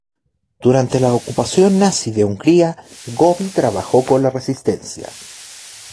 Durante la ocupación nazi de Hungría, Gobbi trabajó con la Resistencia.